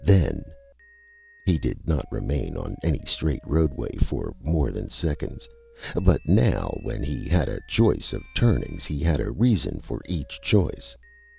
Then He did not remain on any straight roadway for more than seconds. But now when he had a choice of turnings, he had a reason for each choice.